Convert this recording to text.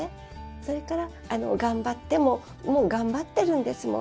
それからもう頑張ってるんですもん。